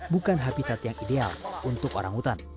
bukan habitat yang ideal untuk orang hutan